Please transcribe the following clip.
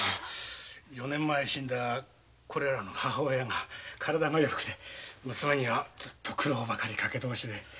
四年前死んだこれらの母親が体が弱くて娘にはずっと苦労ばかりかけどおしで。